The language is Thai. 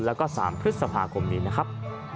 แล้วก็๓พฤษภาคมนี้นะครับ